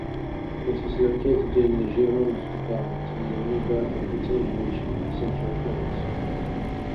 It is located in the Gironde department, in the Nouvelle Aquitaine region, central France.